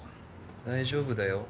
大丈夫だよ。